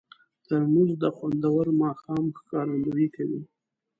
ترموز د خوندور ماښام ښکارندویي کوي.